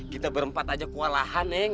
kita berempat aja kewalahan neng